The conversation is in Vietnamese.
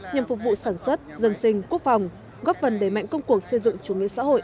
nhằm phục vụ sản xuất dân sinh quốc phòng góp phần đẩy mạnh công cuộc xây dựng chủ nghĩa xã hội